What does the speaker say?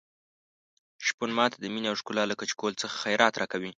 شپون ماته د مينې او ښکلا له کچکول څخه خیرات راکوي.